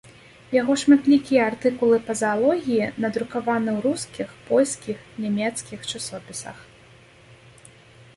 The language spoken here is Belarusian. Яго шматлікія артыкулы па заалогіі надрукаваны ў рускіх, польскіх, нямецкіх часопісах.